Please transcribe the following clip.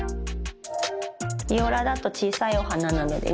ビオラだと小さいお花なので２３輪。